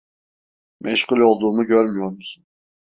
Meşgul olduğumu görmüyor musun?